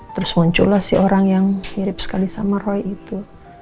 terus muncullah si orang yang mirip sekali sama roy itu